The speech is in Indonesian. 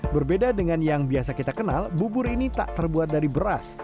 berbeda dengan yang biasa kita kenal bubur ini tak terbuat dari beras